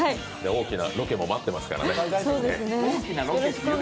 大きなロケも待ってますからね。